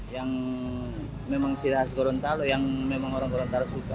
yang memang ciri khas gorontalo yang memang orang gorontalo suka